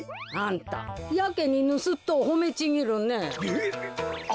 あんたやけにぬすっとをほめちぎるね。